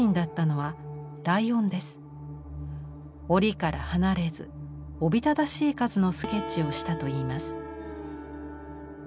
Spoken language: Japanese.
檻から離れずおびただしい数のスケッチをしたといいます。